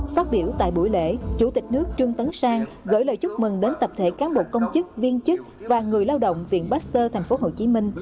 phát biểu tại buổi lễ chủ tịch nước trương tấn sang gửi lời chúc mừng đến tập thể cán bộ công chức viên chức và người lao động viện baxter tp hcm